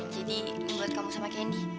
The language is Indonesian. jadi nungguin kamu sama candy